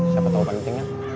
siapa tau pentingnya